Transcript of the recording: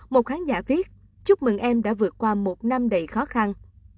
một khán giả viết chúc mừng em đã vượt qua một năm đầy khó khăn